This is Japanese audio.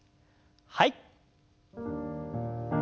はい。